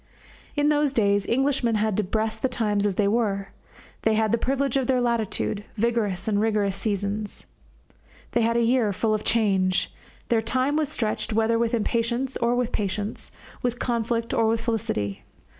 In those days Englishmen had to breast the times as they were. They had the privilege of their latitude vigorous and rigorous seasons. They had a year full of change their time was stretched whether with impatience or with patience, with conflict or with felicity.